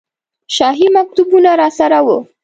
شاهي مکتوبونه راسره وو.